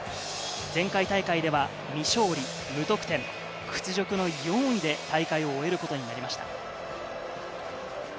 前回大会では未勝利、無得点、屈辱の４位で大会を終えることになりました。